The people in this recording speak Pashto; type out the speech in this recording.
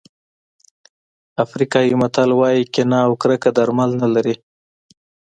افریقایي متل وایي کینه او کرکه درمل نه لري.